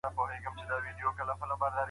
حنبلي فقهاء وايي، چي دا ظهار دی، طلاق ندی.